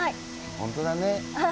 本当だね。